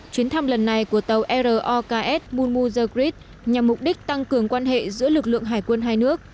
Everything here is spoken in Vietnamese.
chuyến thăm lần này của tàu roks monmuza grid nhằm mục đích tăng cường quan hệ giữa lực lượng hải quân hai nước